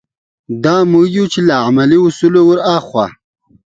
دا موږ یو چې له علمي اصولو وراخوا.